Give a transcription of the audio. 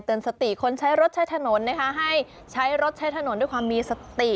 สติคนใช้รถใช้ถนนนะคะให้ใช้รถใช้ถนนด้วยความมีสติ